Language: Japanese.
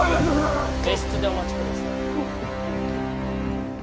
別室でお待ちください